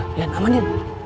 lihat aman ya